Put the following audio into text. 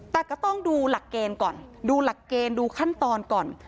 แต่ก็ต้องดูหลักเกณฑ์ก่อนดูหลักเกณฑ์ดูขั้นตอนก่อน